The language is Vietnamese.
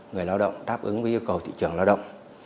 người lao động đáp ứng với yêu cầu thị trường lao động